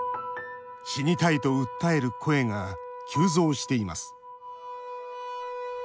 死にたいと訴える声が急増しています。